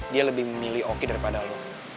dia lebih memilih oki daripada lo